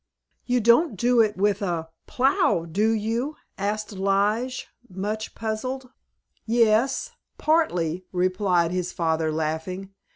"You don't do it with a plow, do you?" asked Lige, much puzzled. "Yes,—partly," replied his father laughing.